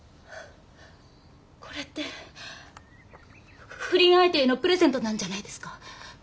これって不倫相手へのプレゼントなんじゃないですか？